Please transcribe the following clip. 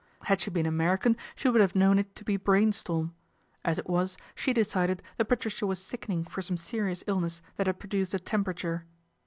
Had she been American she would have known it to be brain storm ; as it was she decided that Patricia was sickening for some serious illness that had produced a temperature.